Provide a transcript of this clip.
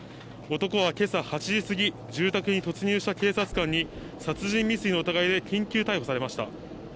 男は今朝８時過ぎ住宅に突入した警察官に殺人未遂の疑いで緊急逮捕されました。